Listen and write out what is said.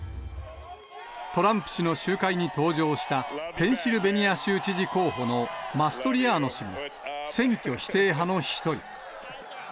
トランプ氏の集会に登場した、ペンシルベニア州知事候補のマストリアーノ氏も選挙否定派の一人。